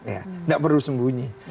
ya tidak perlu sembunyi